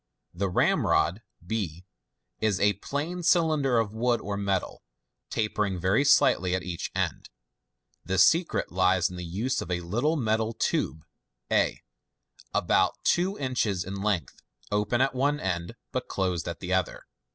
The ramrod, b, is a plain cylinder of wood or metal, tapering very slightly at each end. The secret lies in the use of a little metal tube a, about two inches in length, open at one end, but closed at the other.